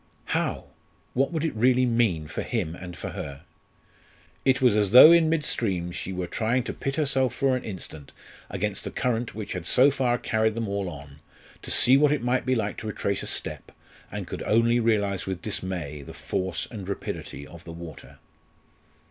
how? what would it really mean for him and for her? It was as though in mid stream, she were trying to pit herself for an instant against the current which had so far carried them all on, to see what it might be like to retrace a step, and could only realise with dismay the force and rapidity of the water.